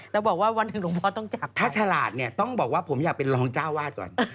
แล้วบอกว่าวันหนึ่งหลวงพ่อต้องจับถ้าฉลาดเนี่ยต้องบอกว่าผมอยากเป็นรองเจ้าวาดก่อน